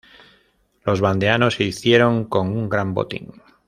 Los vandeanos se hicieron con un gran botín.